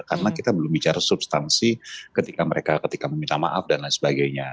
karena kita belum bicara substansi ketika mereka ketika meminta maaf dan lain sebagainya